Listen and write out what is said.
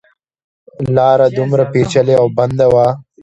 لاره دومره پېچلې او بنده وه.